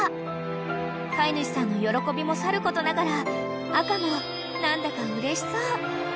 ［飼い主さんの喜びもさることながら赤も何だか］